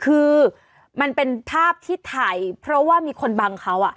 คือมันเป็นภาพที่ถ่ายเพราะว่ามีคนบังเขา